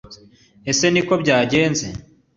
ese niko byagenze